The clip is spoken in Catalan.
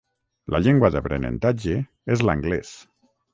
La llengua d'aprenentatge és l'anglès.